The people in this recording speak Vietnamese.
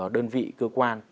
đơn vị cơ quan